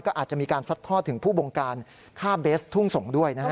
ก็อาจจะมีการซัดทอดถึงผู้บงการฆ่าเบสทุ่งส่งด้วยนะฮะ